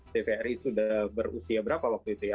tvri sudah berusia berapa waktu itu ya